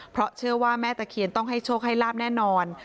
เพราะเชื่อว่าแม่ตะเคียนต้องให้โชคให้ลาบแน่นอน